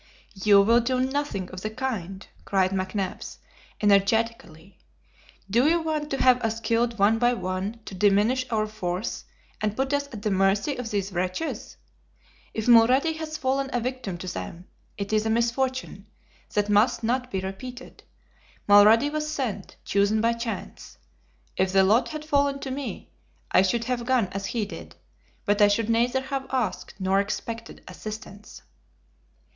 "You will do nothing of the kind!" cried McNabbs, energetically. "Do you want to have us killed one by one to diminish our force, and put us at the mercy of these wretches? If Mulrady has fallen a victim to them, it is a misfortune that must not be repeated. Mulrady was sent, chosen by chance. If the lot had fallen to me, I should have gone as he did; but I should neither have asked nor expected assistance."